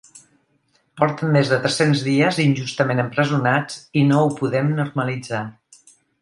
Porten més de tres-cents dies injustament empresonats i no ho podem normalitzar!